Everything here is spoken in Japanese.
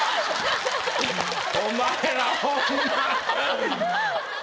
お前らホンマ。